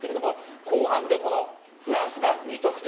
後半でフランスが２得点。